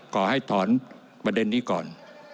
ขอให้ถอนประเด็นนี้ก่อน